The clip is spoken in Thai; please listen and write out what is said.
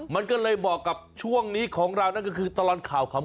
มันก็เลยเหมาะกับช่วงนี้ของเรานั่นก็คือตลอดข่าวขำ